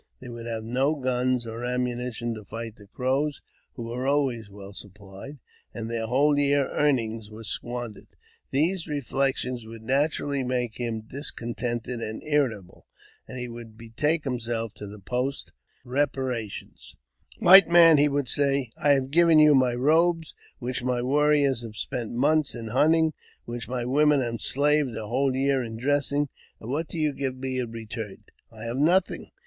They would have no guns or ammunition to fight the Crows, who were always well supplied, and their whole year's earnings were squandered. These reflections would naturally make him discontented and irritable, and he would betake himself to the post for reparation. " White man," he would say, I have given you my robes, which my warriors have spent months in hunting, and which my women have slaved a whole year in dressing ; and what do you give me in return ? I have nothing.